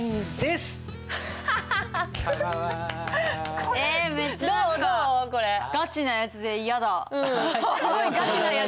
すごいガチなやつじゃん！